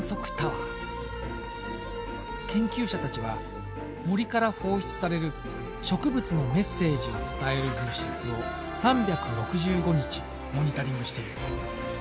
研究者たちは森から放出される植物のメッセージを伝える物質を３６５日モニタリングしている。